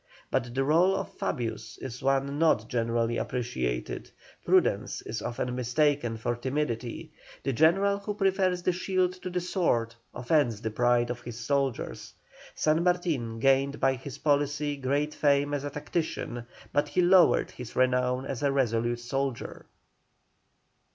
But the rôle of Fabius is one not generally appreciated; prudence is often mistaken for timidity; the general who prefers the shield to the sword offends the pride of his soldiers. San Martin gained by his policy great fame as a tactician, but he lowered his renown as a resolute soldier.